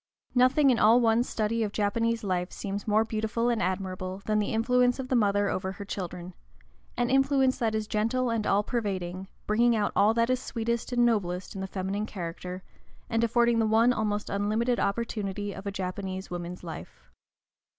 Nothing in all one's study of Japanese life seems more beautiful and admirable than the influence of the mother over her children, an influence that is gentle and all pervading, bringing out all that is sweetest and noblest in the feminine character, and affording the one almost unlimited opportunity of a Japanese woman's life.